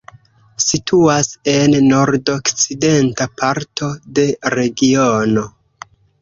Situas en nordokcidenta parto de regiono.